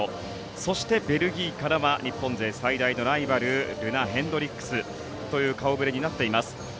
そしてベルギーからは日本勢最大のライバルルナ・ヘンドリックスという顔触れになっています。